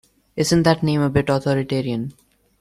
Isn’t that name a bit authoritarian?